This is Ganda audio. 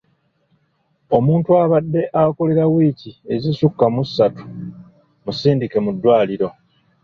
Omuntu abadde akololera wiiki ezisukka mu ssatu musindike mu ddwaliro.